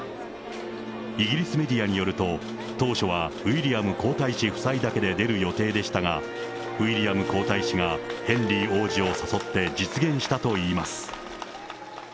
イギリスメディアによると、当初はウィリアム皇太子夫妻だけで出る予定でしたが、ウィリアム皇太子がヘンリー王子を誘って実現したといいます。